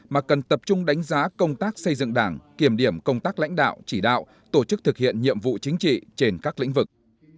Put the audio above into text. mà cần tập trung đánh giá công tác xây dựng đảng kiểm điểm công tác lãnh đạo chỉ đạo tổ chức thực hiện nhiệm vụ chính trị trên các lĩnh vực